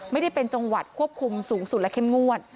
ไม่ได้เป็นจังหวัดควบคุมสูงสุดและเข้มงวด